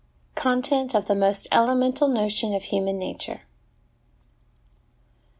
Content of the most Elemental Notion of Human Nature.